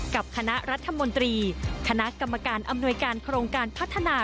กับคณะรัฐมนตรีคณะกรรมการอำนวยการโครงการพัฒนา